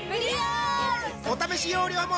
お試し容量も